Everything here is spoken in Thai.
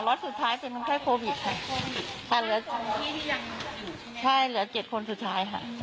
รถสุดท้ายเป็นคนไข้โควิดค่ะแต่เหลือใช่เหลือเจ็ดคนสุดท้ายค่ะ